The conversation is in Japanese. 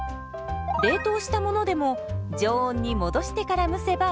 冷凍したものでも常温に戻してから蒸せばＯＫ。